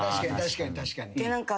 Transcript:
確かに確かに。